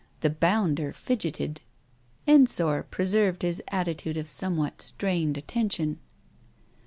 The bounder fidgeted. Ensor preserved his attitude of somewhat strained attention.